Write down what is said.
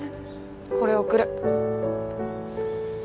これ送る。